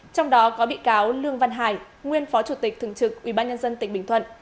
trong đó có bị cáo lương văn hải nguyên phó chủ tịch thường trực ubnd tỉnh bình thuận